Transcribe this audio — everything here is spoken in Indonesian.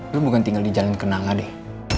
lu bukan tinggal di jalan kenangan deh